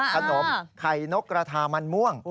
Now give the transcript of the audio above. ขนมไข่นกกระทามันม่วง